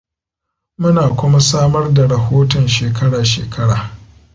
Muna kuma samar da rahoton shekara-shekara.